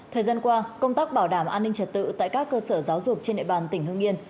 thời gian qua công tác bảo đảm an ninh trật tự tại các cơ sở giáo dục trên địa bàn tỉnh hương yên